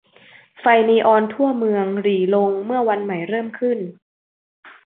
ไฟนีออนทั่วเมืองหรี่ลงเมื่อวันใหม่เริ่มขึ้น